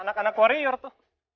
anak anak koreor tuh